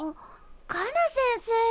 カナ先生。